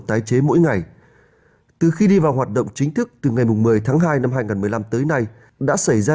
tái chế mỗi ngày từ khi đi vào hoạt động chính thức từ ngày một mươi tháng hai năm hai nghìn một mươi năm tới nay đã xảy ra